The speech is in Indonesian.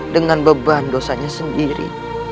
dengan beban dosanya sendiri